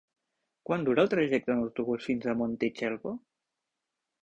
Quant dura el trajecte en autobús fins a Montitxelvo?